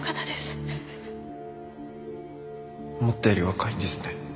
思ったより若いんですね。